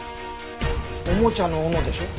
おもちゃの斧でしょ？